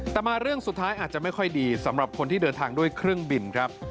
แต่มาเรื่องสุดท้ายอาจจะไม่ค่อยดีสำหรับคนที่เดินทางด้วยเครื่องบินครับ